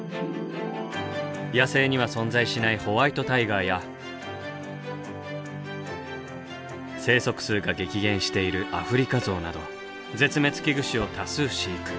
野生には存在しないホワイトタイガーや生息数が激減しているアフリカゾウなど絶滅危惧種を多数飼育。